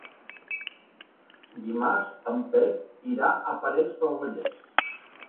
Dimarts en Pep irà a Parets del Vallès.